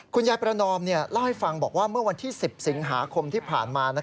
คุณยายประนอมเล่าให้ฟังบอกว่าเมื่อวันที่๑๐สิงหาคมที่ผ่านมา